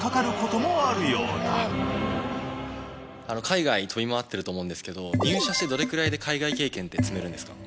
海外飛び回ってると思うんですけど入社してどれくらいで海外経験って積めるんですか？